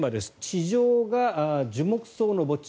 地上が樹木葬の墓地